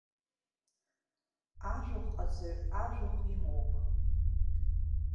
Ажәахә ҟаҵаҩ ажәахә имоуп.